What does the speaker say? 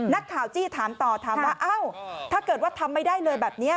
จี้ถามต่อถามว่าเอ้าถ้าเกิดว่าทำไม่ได้เลยแบบนี้